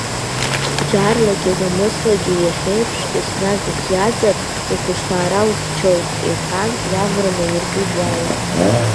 Бџьарлагьы намыслагьы иахьеиԥш еснагь ухиазар, ухәшҭаара ухьчоит, — иҳәан, иаӷәра наииркит иааиз.